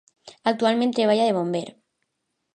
Actualment treballa de bomber.